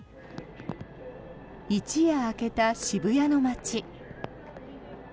一夜明けた渋谷の街。